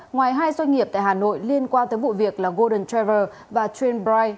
ngoài hai doanh nghiệp tại hà nội liên quan tới vụ việc là gordon trevor và trin bright